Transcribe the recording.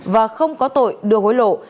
và không có tội đưa hối lộ